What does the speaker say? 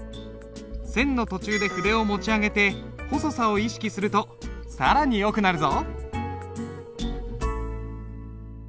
線の途中で筆を持ち上げて細さを意識すると更によくなるぞ。